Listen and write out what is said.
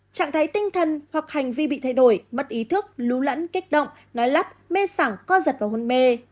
trạng thái tinh thần hoặc hành vi bị thay đổi mất ý thức lún lẫn kích động nói lắp mê sản co giật và hôn mê